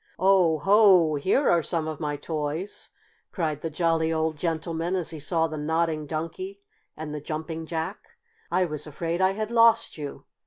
"Oh, ho! Here are some of my toys!" cried the jolly old gentleman as he saw the Nodding Donkey and the Jumping Jack. "I was afraid I had lost you.